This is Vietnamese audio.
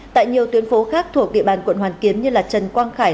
tại nhiều tuyến phố khác thuộc địa bàn quận hoàn kiếm như trần quang khải